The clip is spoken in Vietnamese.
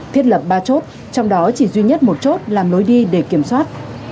thiết lập ba chốt trong đó chỉ duy nhất một chốt làm lối đi để kiểm soát